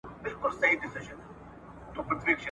اوسېدلی نه په جبر نه په زور وو !.